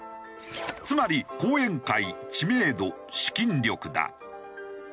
つまり後援会知名度資金力だ。